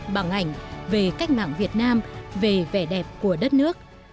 bằng ảnh về cách mạng việt nam về vẻ đẹp của đất nước